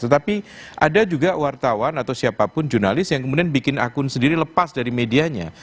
tetapi ada juga wartawan atau siapapun jurnalis yang kemudian bikin akun sendiri lepas dari medianya